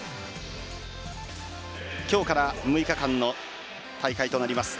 今日から６日間の大会となります。